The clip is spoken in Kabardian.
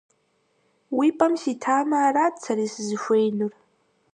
Уи пӏэм ситамэ, арат сэри сызыхуеинур.